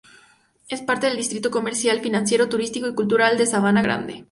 Es parte del distrito comercial, financiero, turístico y cultural de Sabana Grande.